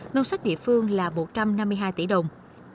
ngân sách địa phương là một trăm năm mươi hai tỷ đồng